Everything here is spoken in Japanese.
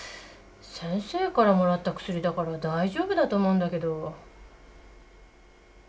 先生からもらった薬だから大丈夫だと思うんだけど。